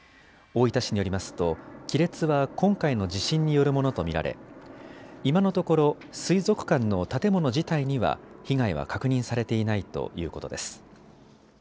大分市によりますと亀裂は今回の地震によるものと見られ今のところ水族館の建物自体には被害は確認されていないということです。